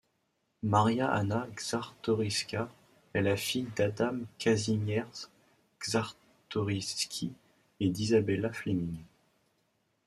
Maria Anna Czartoryska est la fille d'Adam Kazimierz Czartoryski et d'Izabela Flemming.